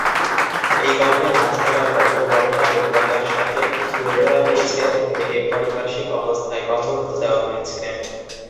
এই গল্পে মাছ ধরার অল্প বর্ণনা গভীরতার সাথে তুলে ধরা হয়েছে, অন্যদিকে পারিপার্শ্বিক অবস্থায় কম গুরুত্ব দেওয়া হয়েছে।